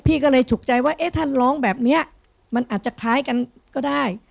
พี่ก็เลยฉุกใจว่าเอ๊ะถ้าร้องแบบนี้มันอาจจะคล้ายกันก็ได้